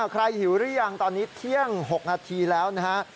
หิวหรือยังตอนนี้เที่ยง๖นาทีแล้วนะฮะ